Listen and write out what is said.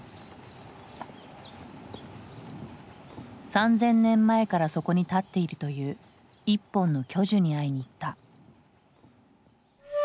３，０００年前からそこに立っているという１本の巨樹に会いに行った。